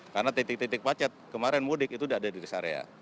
karena titik titik pacat kemarin mudik itu sudah ada di res area